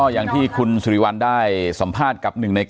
อย่างที่บอกไปว่าเรายังยึดในเรื่องของข้อ